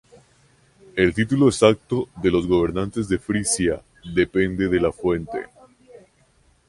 El título exacto de los gobernantes de Frisia depende de la fuente.